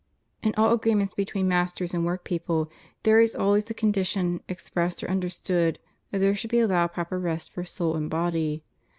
In all agreements between masters and work people there is always the condition, expressed or understood, that there should be allowed proper rest for soul and body.